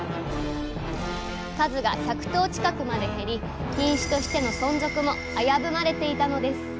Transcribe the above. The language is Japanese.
数が１００頭近くまで減り品種としての存続も危ぶまれていたのです